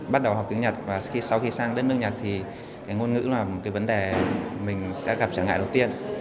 bắt đầu học tiếng nhật và sau khi sang đất nước nhật thì ngôn ngữ là một vấn đề mình đã gặp trả ngại đầu tiên